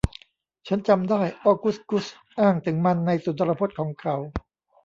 ฉันจำได้ ออกุสกุสอ้างถึงมันในสุนทรพจน์ของเขา